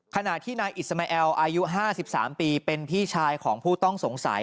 ขณะที่นายอิสมาแอลอายุ๕๓ปีเป็นพี่ชายของผู้ต้องสงสัย